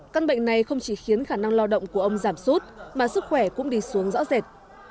căn bệnh này không chỉ khiến khả năng lao động của ông giảm sút mà sức khỏe cũng đi xuống rõ rệt